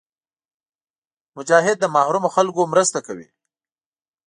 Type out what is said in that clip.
مجاهد د محرومو خلکو مرسته کوي.